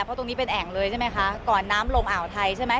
เพราะตรงนี้เป็นแอ่งเลยใช่ไหมคะก่อนน้ำลงอ่าวไทยใช่ไหม